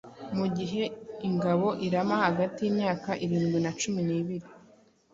mu gihe ingabo irama hagati y’imyaka irindwi na cumi nibiri